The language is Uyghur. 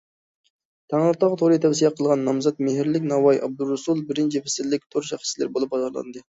تەڭرىتاغ تورى تەۋسىيە قىلغان نامزات« مېھىرلىك ناۋاي» ئابدۇرۇسۇل بىرىنچى پەسىللىك تور شەخسلىرى بولۇپ باھالاندى.